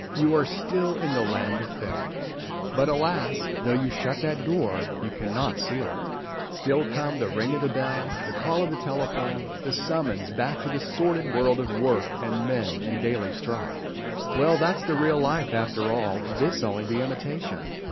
You are still in the land of faerie. But, alas, though you shut that door, you cannot seal it. Still come the ring of bell, the call of telephone, the summons back to the sordid world of work and men and daily strife. Well, that's the real life after all—this only the imitation.